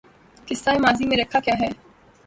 قصہ ماضی میں رکھا کیا ہے